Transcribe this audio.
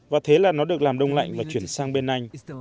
và thế là nó được làm đông lạnh và chuyển sang bên anh